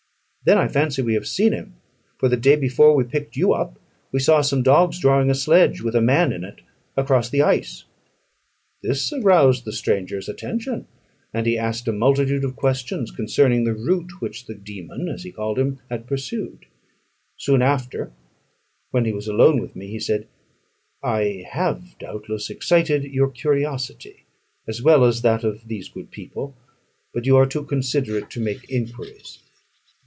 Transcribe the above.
"Then I fancy we have seen him; for the day before we picked you up, we saw some dogs drawing a sledge, with a man in it, across the ice." This aroused the stranger's attention; and he asked a multitude of questions concerning the route which the dæmon, as he called him, had pursued. Soon after, when he was alone with me, he said, "I have, doubtless, excited your curiosity, as well as that of these good people; but you are too considerate to make enquiries."